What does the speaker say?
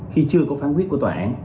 khi chưa có phán quyết của tòa án